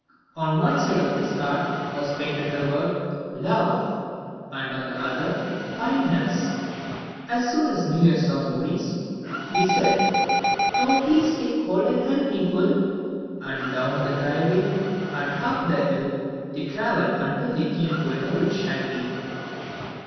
On one side of this cart was painted the word "Love," and on the other "Kindness." As soon as the New Year saw Maurice he said, "Now please take hold and help me pull;" and down the driveway and up the hill they travelled until they came to an old shanty.